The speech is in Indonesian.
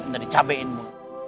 ntar dicabekin bu